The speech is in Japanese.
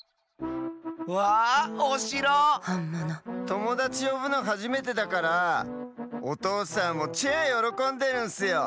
ともだちよぶのはじめてだからおとうさんもチェアよろこんでるんすよ。